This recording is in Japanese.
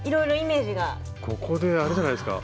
ここであれじゃないですか。